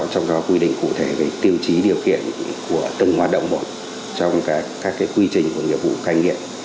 có quy định cụ thể tiêu chí điều kiện của từng hoạt động một trong các quy trình của nghiệp vụ cai nghiện